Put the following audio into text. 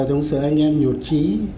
chống sợ anh em nhụt trí